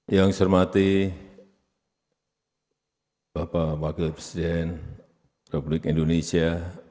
yang saya hormati bapak wakil presiden republik indonesia